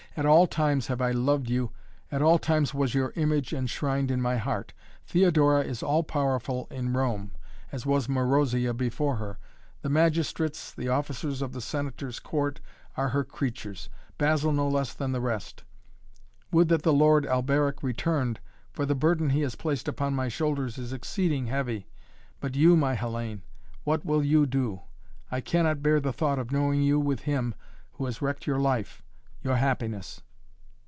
"At all times have I loved you, at all times was your image enshrined in my heart. Theodora is all powerful in Rome, as was Marozia before her. The magistrates, the officers of the Senator's court, are her creatures, Basil no less than the rest. Would that the Lord Alberic returned, for the burden he has placed upon my shoulders is exceeding heavy. But you, my Hellayne, what will you do? I cannot bear the thought of knowing you with him who has wrecked your life, your happiness."